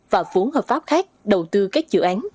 và vốn hợp pháp khác đầu tư các dự án